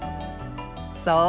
そう！